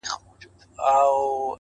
د سپینتمان د سردونو د یسنا لوري؛